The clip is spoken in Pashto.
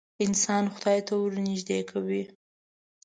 انسان خدای ته ورنیږدې کوې.